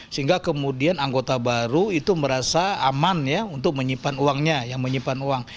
sehingga kemudian anggota baru itu merasa aman ya untuk menyimpan uangnya yang menyimpan uang